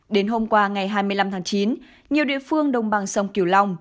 đến hôm qua ngày hai mươi năm tháng chín nhiều địa phương đồng bằng sông kiều long